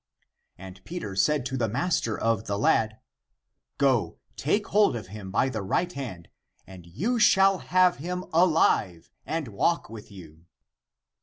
And Peter said to the master of the lad, " Go, take hold of him by the right hand, and you shall have him alive and walk with you."